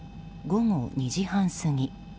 午後２時半過ぎ。